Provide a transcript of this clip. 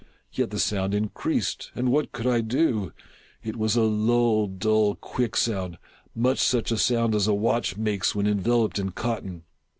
Yet the sound in creased— and what could I do ? It was a low, dull, quick sound — much such a sound as a watch makes when envel oped in cotton.